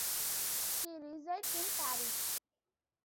She resides in Paris.